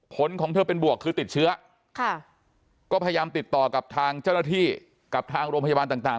ของเธอเป็นบวกคือติดเชื้อค่ะก็พยายามติดต่อกับทางเจ้าหน้าที่กับทางโรงพยาบาลต่าง